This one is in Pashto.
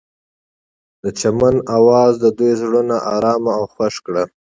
د چمن اواز د دوی زړونه ارامه او خوښ کړل.